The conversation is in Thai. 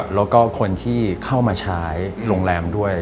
แล้วก็คนที่เข้ามาใช้โรงแรมด้วย